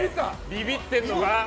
ビビってんのか！